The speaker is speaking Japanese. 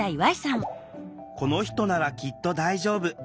「この人ならきっと大丈夫」。